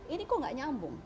ini kok gak nyambung